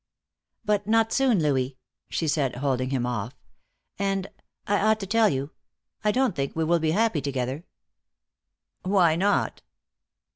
"But not soon, Louis," she said, holding him off. "And I ought to tell you I don't think we will be happy together." "Why not?"